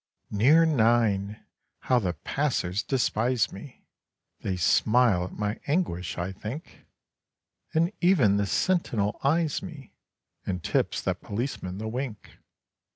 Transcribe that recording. Near nine! how the passers despise me, They smile at my anguish, I think; And even the sentinel eyes me, And tips that policeman the wink.